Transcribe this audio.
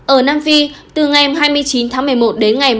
ở nam phi từ ngày hai mươi chín một mươi một đến hôm nay